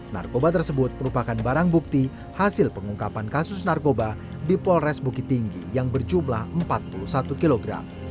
narkoba tersebut merupakan barang bukti hasil pengungkapan kasus narkoba di polres bukit tinggi yang berjumlah empat puluh satu kg